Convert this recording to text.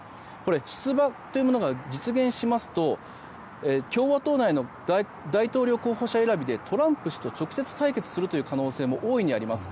出馬が実現しますと共和党内の大統領候補者選びでトランプ氏と直接対決する可能性も大いにあります。